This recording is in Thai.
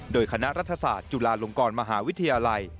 โดยคณะรัฐศาสตร์จุฬาลงกรมหาวิทยาลัย